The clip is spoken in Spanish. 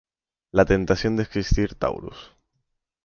La tentación de existir Taurus.